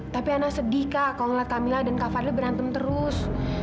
tapi ana sedih kak kalau ngeliat camilla dan kak fadli berantem terus